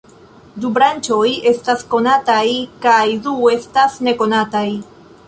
Du branĉoj estas konataj kaj du estas nekonataj.